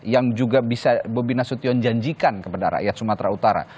yang juga bisa bobi nasution janjikan kepada rakyat sumatera utara